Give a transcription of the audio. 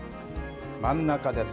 真ん中です。